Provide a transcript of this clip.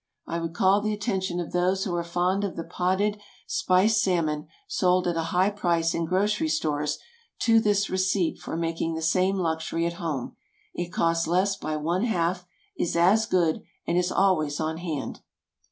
I would call the attention of those who are fond of the potted spiced salmon, sold at a high price in grocery stores, to this receipt for making the same luxury at home. It costs less by one half, is as good, and is always on hand.